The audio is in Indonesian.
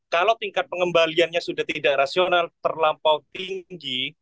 kalau tingkat pengembaliannya sudah tidak rasional terlampau tinggi